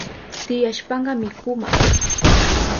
Tiyashpanka mikuma